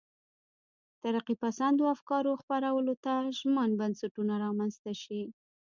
ترقي پسندو افکارو خپرولو ته ژمن بنسټونه رامنځته شي.